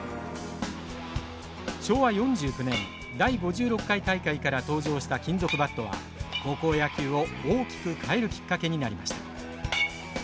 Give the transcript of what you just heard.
昭和４９年第５６回大会から登場した金属バットは高校野球を大きく変えるきっかけになりました。